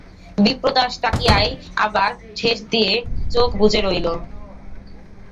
বিপ্রদাস তাকিয়ায় আবার ঠেস দিয়ে চোখ বুজে রইল।